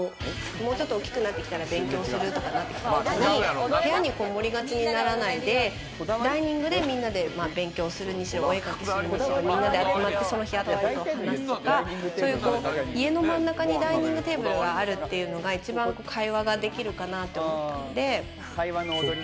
もうちょっと大きくなってきたら勉強するっていう時に部屋にこもりがちにならないで、ダイニングでみんなで勉強する、お絵描きするにしろ、みんなで集まって、あったことを話すとか、家の真ん中にダイニングテーブルがあるっていうのが一番会話ができるかなって思って。